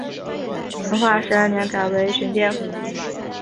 成化十二年改为寻甸府。